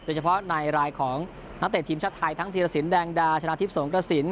เฉพาะในรายของนักเตะทีมชาติไทยทั้งธีรสินแดงดาชนะทิพย์สงกระสิน